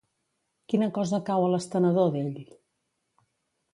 Quina cosa cau a l'estenedor d'ell?